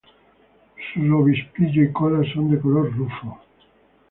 Su obispillo y cola son de color rufo.